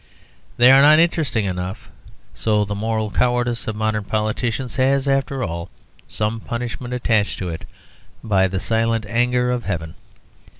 They are not interesting enough. So the moral cowardice of modern politicians has, after all, some punishment attached to it by the silent anger of heaven.